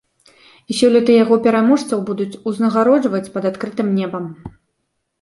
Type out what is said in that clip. І сёлета яго пераможцаў будуць узнагароджваць пад адкрытым небам.